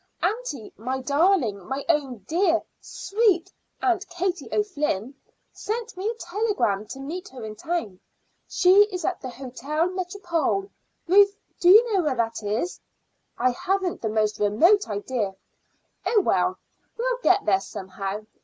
Aunty my darling, my own dear, sweet aunt Katie O'Flynn sent me a telegram to meet her in town. She is at the Hôtel Métropole. Ruth, do you know where it is?" "I haven't the most remote idea." "Oh, well, we'll get there somehow.